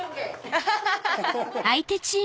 アハハハ！